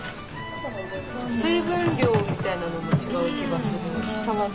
水分量みたいなのも違う気がする。